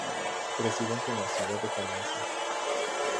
Residente en la ciudad de Palencia.